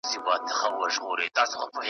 هم په عقل هم په ژبه گړندى وو .